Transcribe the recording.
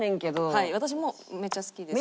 はい私もめっちゃ好きですし。